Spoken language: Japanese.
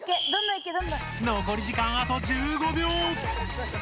残り時間あと１５秒！